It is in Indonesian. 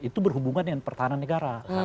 itu berhubungan dengan pertahanan negara